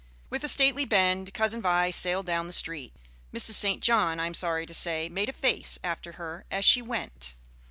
With a stately bend Cousin Vi sailed down the street. Mrs. St. John, I am sorry to say, made a face after her as she went.